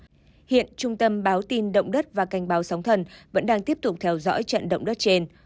tuy nhiên hiện trung tâm báo tin động đất và cảnh báo sóng thần vẫn đang tiếp tục theo dõi trận động đất trên